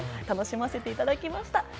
楽しませていただきました。